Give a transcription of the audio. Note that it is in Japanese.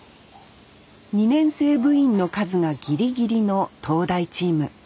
２年生部員の数がギリギリの東大チーム。